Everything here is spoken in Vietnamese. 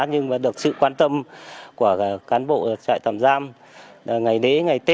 nhưng được sự quan tâm của cán bộ trại tạm giam ngày đế ngày tết